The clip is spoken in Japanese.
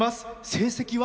成績は？